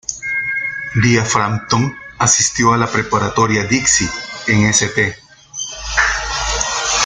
Dia Frampton asistió a la Preparatoria Dixie en St.